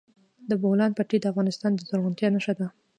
د بولان پټي د افغانستان د زرغونتیا نښه ده.